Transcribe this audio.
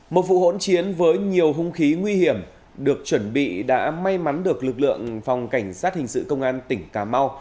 một vụ hỗn chiến với nhiều hung khí nguy hiểm được chuẩn bị đã may mắn được lực lượng phòng cảnh sát hình sự công an tỉnh cà mau